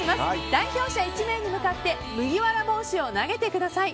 代表者１名に向かって麦わら帽子を投げてください。